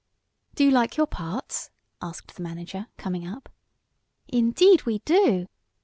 "Do you like your parts?" asked the manager, coming up. "Indeed we do!"